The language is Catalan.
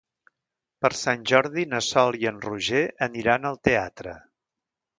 Per Sant Jordi na Sol i en Roger aniran al teatre.